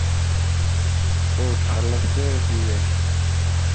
Ur ttxalaḍet ara tidak.